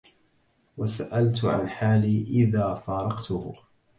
وسألت عن حالي إذا فارقته